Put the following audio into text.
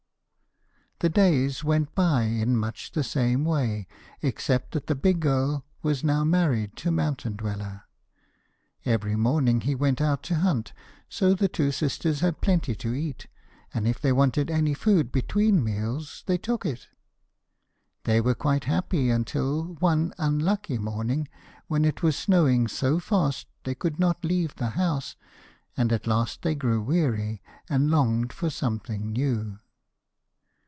The days went by in much the same way, except that the big girl was now married to Mountain Dweller. Every morning he went out to hunt, so the two sisters had plenty to eat, and if they wanted any food between meals, they took it. They were quite happy until one unlucky morning when it was snowing so fast they could not leave the house, and at last they grew weary, and longed for something new.